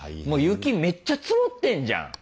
雪めっちゃ積もってんじゃん。